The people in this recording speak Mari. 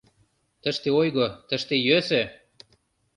Тыште ойго, тыште йӧсӧ!